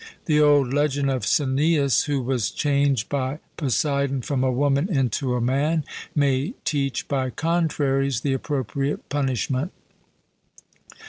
The old legend of Caeneus, who was changed by Poseidon from a woman into a man, may teach by contraries the appropriate punishment.